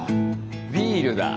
ビールだ。